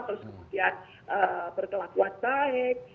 terus kemudian berkelakuan baik